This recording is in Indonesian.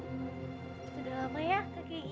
sudah lama ya kaki ini